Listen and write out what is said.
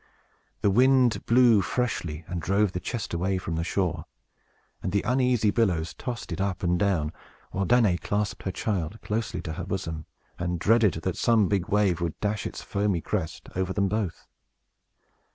The wind blew freshly, and drove the chest away from the shore, and the uneasy billows tossed it up and down; while Danaë clasped her child closely to her bosom, and dreaded that some big wave would dash its foamy crest over them both.